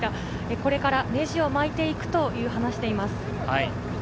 これからネジを巻いていくと話しています。